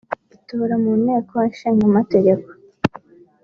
Itora mu nteko ishinga amategeko